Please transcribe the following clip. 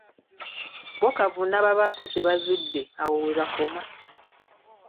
Bo kavuna babako kye bazudde, awo we bakoma.